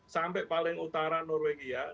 sampai paling utara norwegia